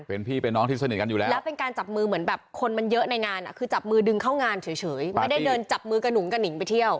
เป็นพี่เป็นน้องที่สนิทกันอยู่แล้วแล้วเป็นการจับมือเหมือนแบบคนมันเยอะในงานอ่ะคือจับมือดึงเข้างานเฉยไม่ได้เดินจับมือกระหุงกระหนิงไปเที่ยว